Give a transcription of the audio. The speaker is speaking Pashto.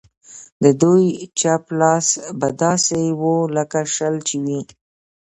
د دوی چپ لاس به داسې و لکه شل چې وي.